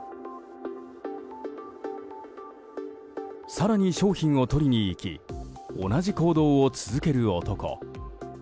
更に商品を取りに行き同じ行動を続ける男。